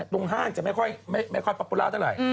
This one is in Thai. ตรงห้างจะไม่ค่อยปรับปุลาร์เท่าไหร่